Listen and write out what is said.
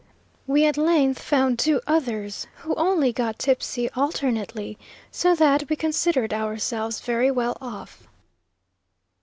We at length found two others, who only got tipsy alternately, so that we considered ourselves very well off.